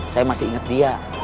saya masih ingat dia